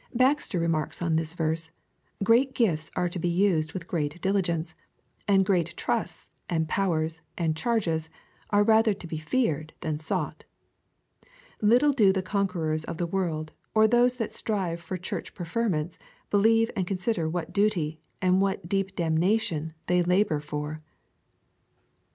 Baxter remarks on tliis verse, " Great gifls are to be used with great diligence ; and great trusts, and powers, and charges, are rather to be feared than sought Litde do the conquerors of the world, or those that Btrive for church preferments, belieTB and consider wtAt dutv, or what deep damnation, thi y labof for."